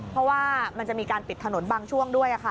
เพราะว่ามันจะมีการปิดถนนบางช่วงด้วยค่ะ